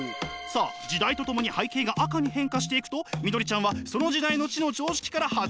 さあ時代とともに背景が赤に変化していくとみどりちゃんはその時代の知の常識から外れてしまいました。